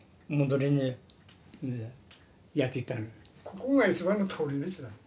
ここが一番の通り道なの。